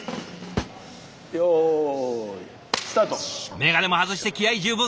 眼鏡も外して気合い十分！